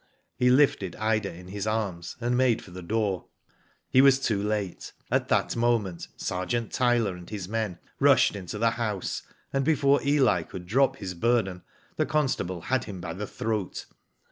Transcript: He lifted Ida in his arms and made for the door. He was too late. At that moment. Sergeant Tyler and his men rushed into the house, and before Eli could drop his burden, the constable had him by the throat.